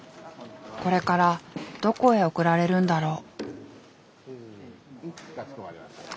これからどこへ送られるんだろう。